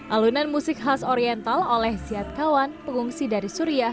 alunan musik khas oriental oleh siat kawan pengungsi dari suriah